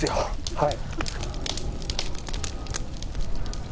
はい。